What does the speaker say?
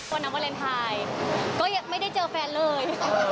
วันวาเลนไทยก็ยังไม่ได้เจอแฟนเลย